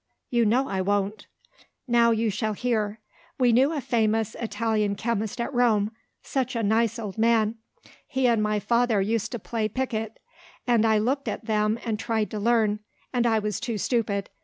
"You know I won't!" "Now you shall hear. We knew a famous Italian chemist at Rome such a nice old man! He and my father used to play piquet; and I looked at them, and tried to learn and I was too stupid.